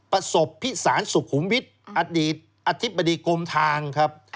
ประสบผิดศาลศุขุมวิทย์อดีตติภาษณีย์ดิกรมทางครับ